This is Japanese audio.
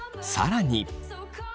更に。